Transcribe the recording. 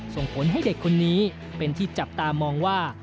ส่งผลให้เด็กคนนี้เป็นที่จับตามองว่า